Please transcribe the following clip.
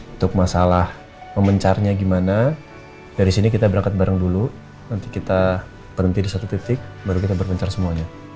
untuk masalah memencarnya gimana dari sini kita berangkat bareng dulu nanti kita berhenti di satu titik baru kita berpencar semuanya